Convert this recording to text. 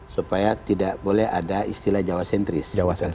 supaya tidak boleh ada istilah jawa sentris